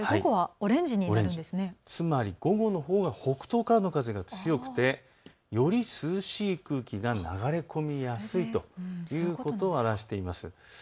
つまり午後のほうが北東からの風が強くて、より涼しい空気が流れ込みやすいということを表しています。